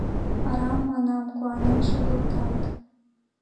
— Арам, — манам, — куанен шогылтат.